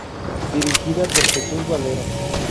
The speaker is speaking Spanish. Dirigida por Jesús Valero.